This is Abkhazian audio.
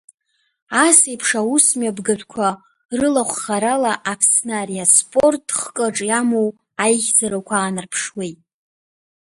Ас еиԥш аусмҩаԥгатәқәа рылахәхарала Аԥсны ари аспорт хкы аҿы иамоу аихьӡарақәа аанарԥшуеит.